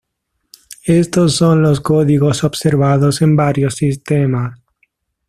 Éstos son los códigos observados en varios sistemas.